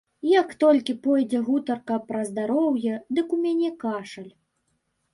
Як толькі пойдзе гутарка пра здароўе, дык у мяне кашаль.